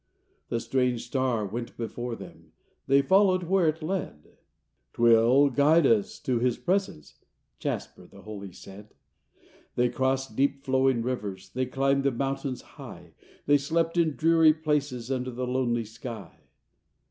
The strange star went before them, They followed where it led; “’Twill guide us to His presence,” Jasper, the holy, said. They crossed deep flowing rivers, They climbed the mountains high, They slept in dreary places Under the lonely sky.